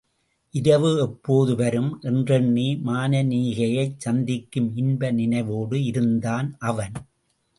இரவு எப்போது வரும்? என்றெண்ணி மானனீகையைச் சந்திக்கும் இன்ப நினைவோடு இருந்தான் அவன்.